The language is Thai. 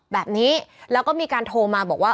แบบนี้แล้วก็มีการโทรมาบอกว่า